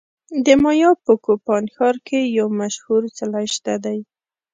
د مایا په کوپان ښار کې یو مشهور څلی شته دی